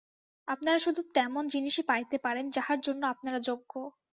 আপনারা শুধু তেমন জিনিষই পাইতে পারেন, যাহার জন্য আপনারা যোগ্য।